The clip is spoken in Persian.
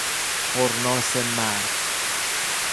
خرناس مرگ